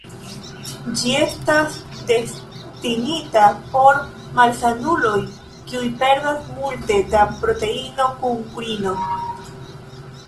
Ĝi estas destinita por malsanuloj kiuj perdas multe da proteino kun urino.